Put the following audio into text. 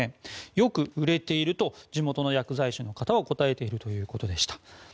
よく売れていると地元の薬剤師の方は答えているということでした。